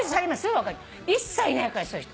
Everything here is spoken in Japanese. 一切いないからそういう人。